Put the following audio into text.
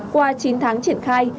qua chín tháng triển khai